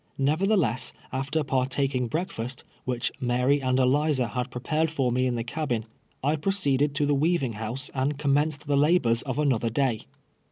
Xeverthelcss, after partaking breakfast, wliieli ]Mary and Eliza had prepared for me in the cabin, I proceeded to the "weaving house and commenced the labors of another day.